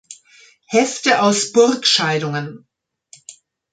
Hefte aus Burgscheidungen